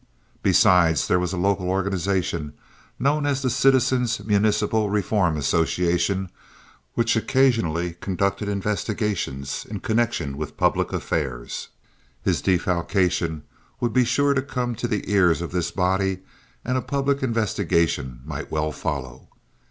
Besides, there was a local organization known as the Citizens' Municipal Reform Association which occasionally conducted investigations in connection with public affairs. His defalcation would be sure to come to the ears of this body and a public investigation might well follow.